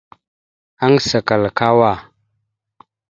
Aŋgəsa kal kawá.